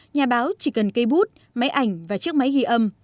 nhà báo chỉ cần cây bút máy ảnh và chiếc máy ghi âm